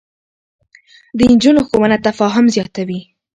د نجونو ښوونه تفاهم زياتوي.